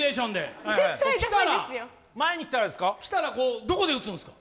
前に来たら、どこ打つんですか？